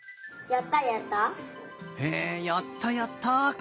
「やったやった」か。